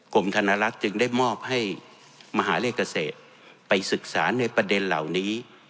ธนรัฐจึงได้มอบให้มหาเลขเกษตรไปศึกษาในประเด็นเหล่านี้